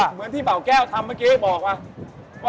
เหมือนที่เบาแก้วทำตอนเด็กนะ